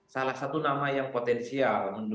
salah satu nama yang potensial